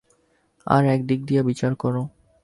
আর একদিক দিয়া বিচার কর।